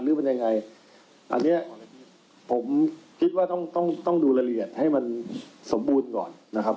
หรือมันยังไงอันเนี้ยผมคิดว่าต้องต้องดูรายละเอียดให้มันสมบูรณ์ก่อนนะครับ